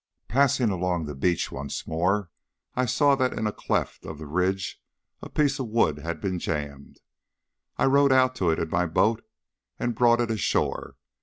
Passing along the beach once more, I saw that in a cleft of the ridge a piece of wood had been jammed. I rowed out to it in my boat, and brought it ashore.